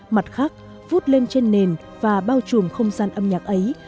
mặt khác vút lên trên nền và bao trùm không gian âm nhạc ấy